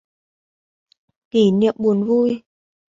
Kỉ niệm buồn vui